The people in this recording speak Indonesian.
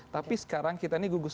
tapi sekarang kita ini gugup gugup